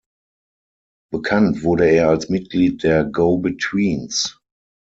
Bekannt wurde er als Mitglied der Go-Betweens.